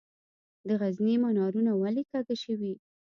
د غزني منارونه ولې کږه شوي؟